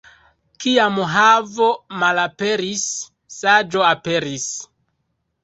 Kiam havo malaperis, saĝo aperis.